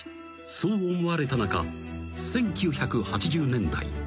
そう思われた中１９８０年代。